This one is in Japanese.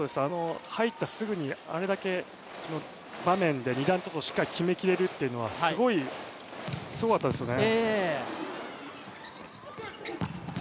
入ってすぐにあれだけの場面で二段トスをしっかり決めきれるというのはすごかったですよね。